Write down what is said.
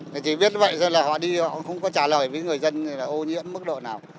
thì chỉ biết vậy thôi là họ đi họ cũng không có trả lời với người dân là ô nhiễm mức độ nào